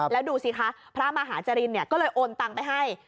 แล้วดูสิคะพระมหาจรินก็เลยโอนตังไปให้